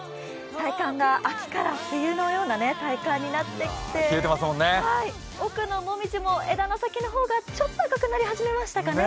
体感が秋から冬のような体感になってきて奥のもみじも枝の先の方がちょっと赤くなり始めましたかね。